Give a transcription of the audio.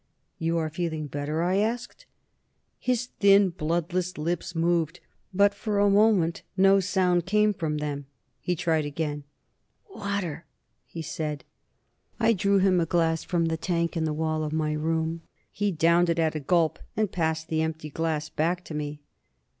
"You are feeling better?" I asked. His thin, bloodless lips moved, but for a moment no sound came from them. He tried again. "Water," he said. I drew him a glass from the tank in the wall of my room. He downed it at a gulp, and passed the empty glass back to me.